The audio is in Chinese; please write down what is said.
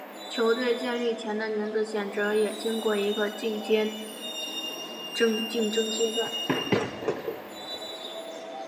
球队建立前的名字选择也经过一个竞争阶段。